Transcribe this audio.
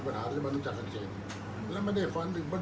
อันไหนที่มันไม่จริงแล้วอาจารย์อยากพูด